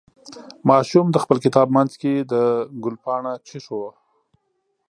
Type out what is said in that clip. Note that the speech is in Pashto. ماشوم د خپل کتاب منځ کې د ګل پاڼه کېښوده.